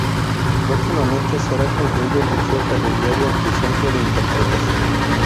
Próximamente será concluido el Museo Ferroviario y Centro de Interpretación.